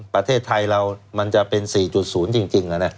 ประเทศไทยเรามันจะเป็น๔๐จริง